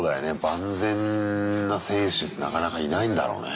万全な選手なかなかいないんだろうね。